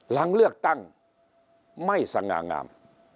หลังเลือกตั้งไม่สง่างาม